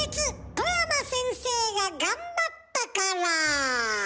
外山先生が頑張ったから。